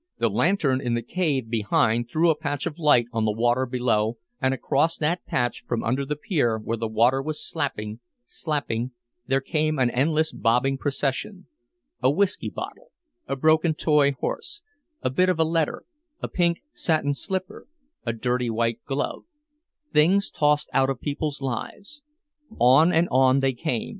The lantern in the cave behind threw a patch of light on the water below, and across that patch from under the pier where the water was slapping, slapping, there came an endless bobbing procession a whisky bottle, a broken toy horse, a bit of a letter, a pink satin slipper, a dirty white glove things tossed out of people's lives. On and on they came.